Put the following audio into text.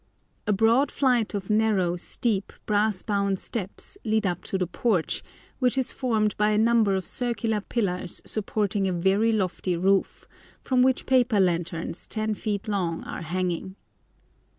A broad flight of narrow, steep, brass bound steps lead up to the porch, which is formed by a number of circular pillars supporting a very lofty roof, from which paper lanterns ten feet long are hanging.